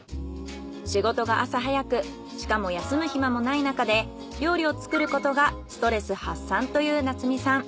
仕事が朝早くしかも休む暇もない中で料理を作ることがストレス発散という夏実さん。